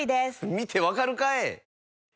見て分かるかい！